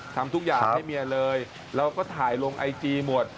ทำทุกอย่างให้เมียเลยแล้วก็ถ่ายลงไอจีหมด